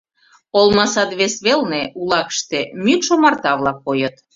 Олма сад вес велне улакыште мӱкш омарта-влак койыт.